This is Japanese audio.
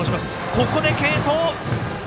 ここで継投！